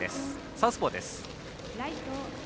サウスポーです。